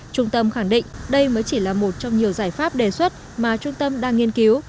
trung tâm khẳng định đây mới chỉ là một trong nhiều giải pháp đề xuất mà trung tâm đang nghiên cứu